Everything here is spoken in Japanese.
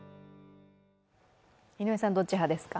井上さん、どっち派ですか。